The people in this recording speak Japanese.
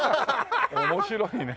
面白いね。